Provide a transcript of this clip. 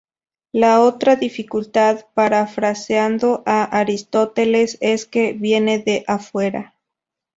La otra dificultad, parafraseando a Aristóteles, es que "viene de afuera".